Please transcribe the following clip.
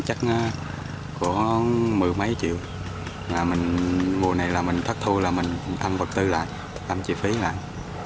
chắc khoảng một mươi mấy triệu mùa này là mình phát thu là mình thăm vật tư lại thăm chi phí lại